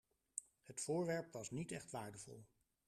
Het voorwerp was niet echt waardevol.